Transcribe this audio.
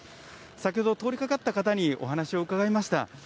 先ほど、通りかかった方にお話を伺いました。